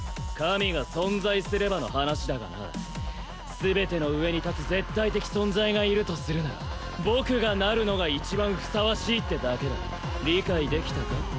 神が存在すればの話だがな全ての上に立つ絶対的存在がいるとするなら僕がなるのが一番ふさわしいってだけだ理解できたか？